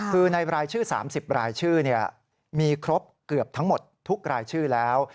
คือในรายชื่อ๓๐รายชื่อมีครบเกือบทั้งหมดทุกรายชื่อแล้ว